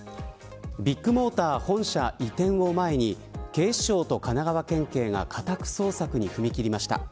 ビッグモーター本社移転を前に警視庁と神奈川県警が家宅捜索に踏み切りました。